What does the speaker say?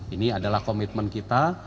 ini adalah komitmen kita